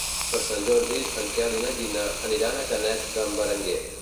Per Sant Jordi en Quel i na Gina aniran a Canet d'en Berenguer.